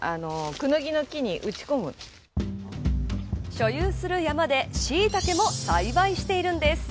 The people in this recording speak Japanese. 所有する山でシイタケも栽培しているんです。